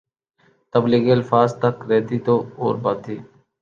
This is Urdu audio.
تبلیغ الفاظ تک رہتی تو اور بات تھی۔